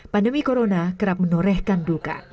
pandemi corona kerap menorehkan duka